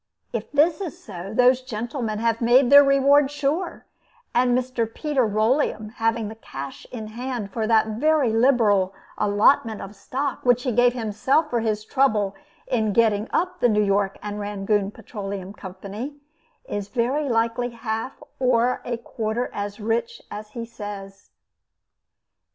If this is so, those gentlemen have made their reward sure; and Mr. Peter Rolleum, having the cash in hand for that very liberal allotment of stock which he gave himself for his trouble in getting up the New York and Rangoon Petroleum Company, is very likely half or a quarter as rich as he says.